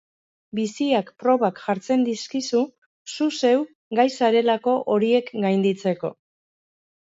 Biziak probak jartzen dizkizu zu zeu gai zarelako horiek gainditzeko.